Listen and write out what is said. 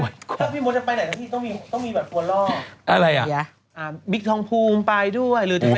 ถ้าพี่ม็อตจะไปไหนต้องมีบัตรปวดลอก